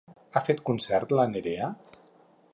Ha fet concerts la Nerea?